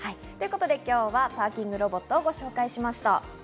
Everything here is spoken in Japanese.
今日はパーキングロボットをご紹介しました。